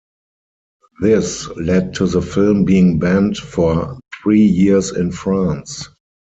This led to the film being banned for three years in France.